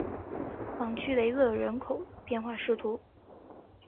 朗屈雷勒人口变化图示